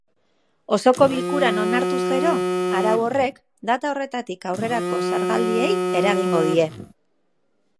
Osoko bilkuran onartuz gero, arau horrek data horretatik aurrerako zergaldiei eragingo die.